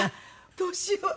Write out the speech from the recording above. どうしよう。